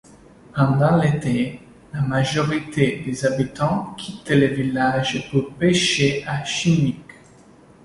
Pendant l'été, la majorité des habitants quittent le village pour pêcher à Chignik.